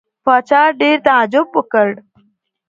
پاچا ډېر تعجب وکړ.